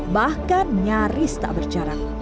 bahkan nyaris tak berjarak